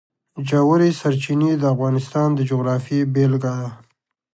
ژورې سرچینې د افغانستان د جغرافیې بېلګه ده.